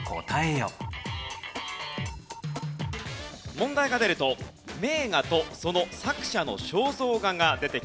問題が出ると名画とその作者の肖像画が出てきます。